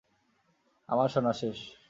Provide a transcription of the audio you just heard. আমার শোনা শেষ!